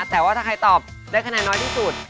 แต่ถ้าใครตอบได้ขนาดน้อยที่สุด